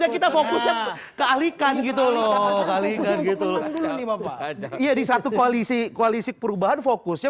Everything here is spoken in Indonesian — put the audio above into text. kita fokusnya ke alikan gitu loh pak action nya di satunya koresi koalisi perubahan fokusnya